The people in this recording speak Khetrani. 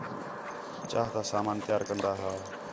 چاہ تا سامان تیار کندا ہا